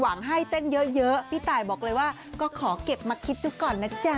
ให้เต้นเยอะพี่ตายบอกเลยว่าก็ขอเก็บมาคิดดูก่อนนะจ๊ะ